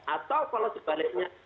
atau kalau sebaliknya